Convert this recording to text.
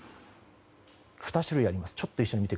２種類あります。